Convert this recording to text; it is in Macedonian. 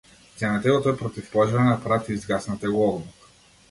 Земете го тој противпожарен апарат и изгаснете го огнот!